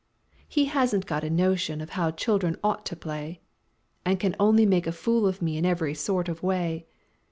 He hasn't got a notion of how children ought to play, And can only make a fool of me in every sort of way.